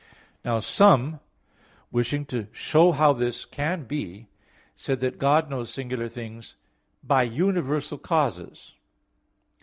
Now some, wishing to show how this can be, said that God knows singular things by universal causes.